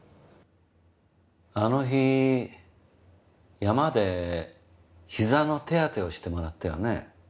あの日山で膝の手当てをしてもらったよね？